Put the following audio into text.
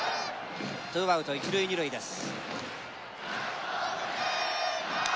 ２アウト一塁二塁です。